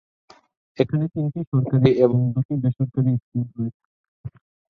এখানে তিনটি সরকারি এবং দুটি বেসরকারী স্কুল রয়েছে।